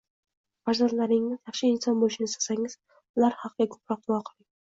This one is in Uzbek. Farzandlaringiz yaxshi inson bo‘lishini istasangiz, ular haqiga ko‘proq duo qiling